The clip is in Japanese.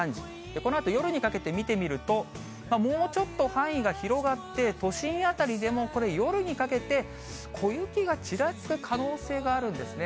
このあと夜にかけて見てみると、もうちょっと範囲が広がって、都心辺りでも、これ夜にかけて、小雪がちらつく可能性があるんですね。